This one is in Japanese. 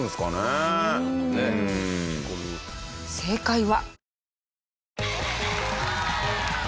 正解は。